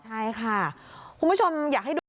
ใช่ค่ะ